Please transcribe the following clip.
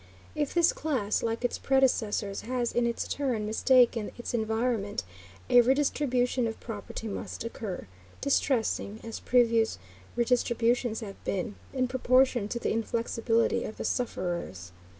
If this class, like its predecessors, has in its turn mistaken its environment, a redistribution of property must occur, distressing, as previous redistributions have been, in proportion to the inflexibility of the sufferers.